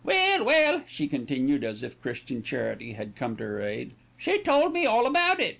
Well, well!" she concluded, as if Christian charity had come to her aid. "She told me all about it.